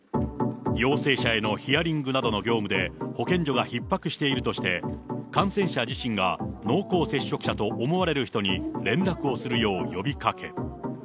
陽性者へのヒアリングなどの業務で、保健所がひっ迫しているとして、感染者自身が濃厚接触者と思われる人に、連絡をするよう呼びかけ。